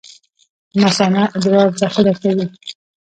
مثانه ادرار ذخیره کوي